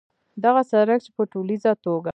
دغه سړک چې په ټولیزه توګه